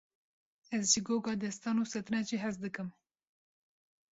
Ez ji goga destan û şetrencê hez dikim.